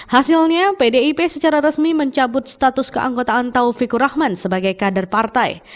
hasilnya pdip secara resmi mencabut status keanggotaan taufikur rahman sebagai kader partai